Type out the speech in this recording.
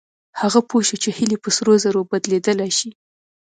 هغه پوه شو چې هيلې په سرو زرو بدلېدلای شي.